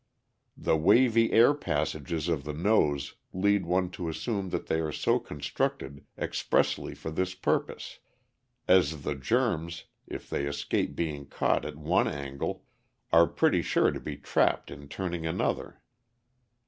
The wavy air passages of the nose lead one to assume that they are so constructed expressly for this purpose, as the germs, if they escape being caught at one angle, are pretty sure to be trapped in turning another.